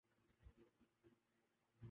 اتوار کو وہ ہمیشہ گھر پر ہی ہوتا ہے۔